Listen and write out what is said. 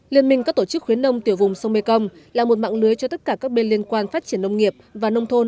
liên minh các tổ chức khuyến nông tiểu vùng sông mekong là một mạng lưới cho tất cả các bên liên quan phát triển nông nghiệp và nông thôn